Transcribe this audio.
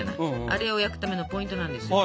あれを焼くためのポイントなんですよ。